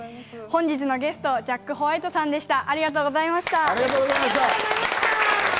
本日のゲスト、ジャック・ホワイトさんでした。